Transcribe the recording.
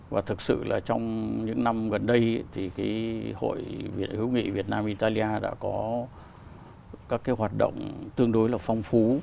và thực sự là trong những năm gần đây hội hữu nghị việt nam italia đã có các hoạt động tương đối phong phú